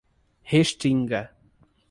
Restinga